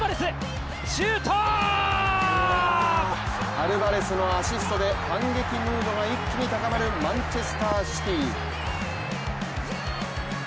アルバレスのアシストで反撃ムードが一気に高まるマンチェスターシティ。